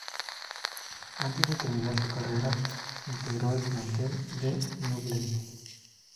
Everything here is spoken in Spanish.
Antes de terminar su carrera, integró el plantel de Ñublense.